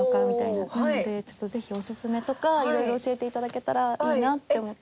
なのでちょっとぜひオススメとかいろいろ教えていただけたらいいなって思って。